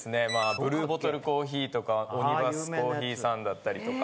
ブルーボトルコーヒーとかオニバスコーヒーさんだったりとか。